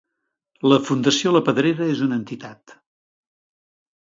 La Fundació La Pedrera és una entitat.